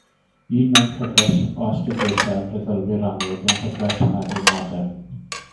Un mewn cyfres o astudiaethau ar feddylwyr amlwg, yng Nghyfres y Meddwl Modern.